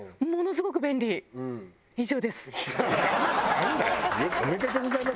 なんだよ！おめでとうございます。